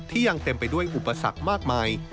ที่ยังเต็มไปด้วยอุปศักดิ์มากมาย